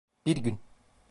Bir gün.